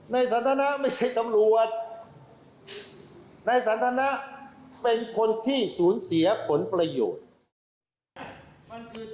สันทนะไม่ใช่ตำรวจนายสันทนะเป็นคนที่สูญเสียผลประโยชน์